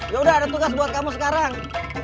yaudah ada tugas buat kamu sekarang